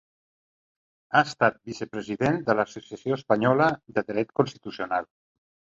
Ha estat vicepresident de l'Associació Espanyola de Dret Constitucional.